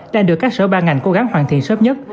đang được các sở ban ngành cố gắng hoàn thiện sớm nhất